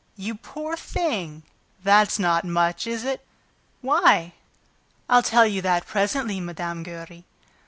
"You poor thing! That's not much, is it? "Why?" "I'll tell you that presently, Mme. Giry.